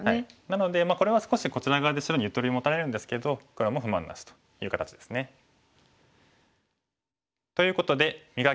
なのでこれは少しこちら側で白にゆとりを持たれるんですけど黒も不満なしという形ですね。ということで「磨け！